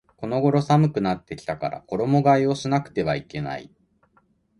この頃寒くなってきたから衣替えをしなくてはいけない